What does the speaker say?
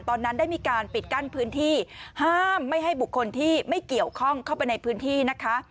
ตอนนั้นได้มีการปิดกั้นพื้นที่ห้ามไม่ให้บุคคลที่ไม่เกี่ยวข้องเข้าไปในพื้นที่นะคะ